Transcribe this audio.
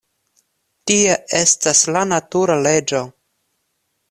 Tia estas la natura leĝo.